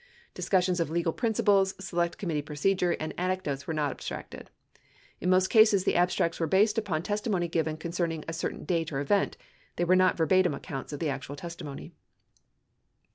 Discus sions of legal principles. Select Committee procedure, and anecdotes were not abstracted. In most cases, these abstracts were based upon testimony given concerning a certain date or event ; they were not verbatim accounts of the actual testimony.